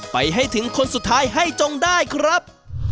ไปให้ถึงคนสุดท้ายให้จงได้ครับ